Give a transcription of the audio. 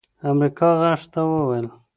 امريکا غږ ته وويل